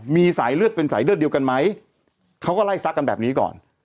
มีสายเลือดเป็นสายเลือดเดียวกันไหมเขาก็ไล่ซักกันแบบนี้ก่อน